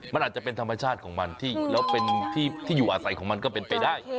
มันอาจจะเป็นธรรมชาติของมันแล้วเป็นที่อยู่อาศัยของมันก็เป็นไปได้